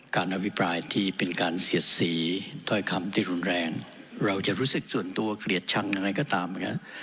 อภิปรายที่เป็นการเสียดสีถ้อยคำที่รุนแรงเราจะรู้สึกส่วนตัวเกลียดชังอะไรก็ตามนะครับ